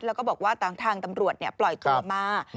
แล้วก็บอกว่าทางตำรวจปล่อยตัวมา